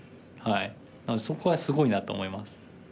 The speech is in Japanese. なのでそこはすごいなと思います。